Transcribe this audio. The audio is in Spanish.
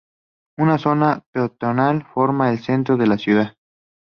Una zona peatonal forma el centro de la ciudad.